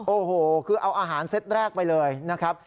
โอ้โหคือเอาอาหารเซ็ตแรกไปเลยนะครับ